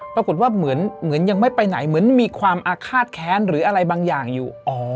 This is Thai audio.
ปรากฏว่าเหมือนยังไม่ไปไหนเหมือนมีความอาฆาตแค้นหรืออะไรบางอย่างอยู่